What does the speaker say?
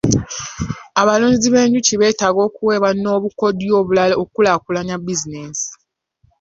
Abalunzi b'enjuki beetaaga okuweebwa n'obukodyo obulala okukulaakulanya bizinensi.